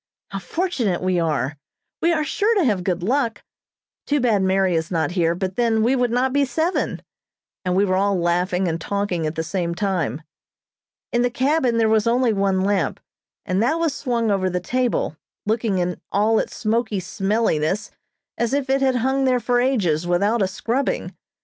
How fortunate we are. We are sure to have good luck. Too bad Mary is not here, but then we would not be seven," and we were all laughing and talking at the same time. In the cabin there was only one lamp, and that was swung over the table, looking in all its smoky smelliness as if it had hung there for ages without a scrubbing.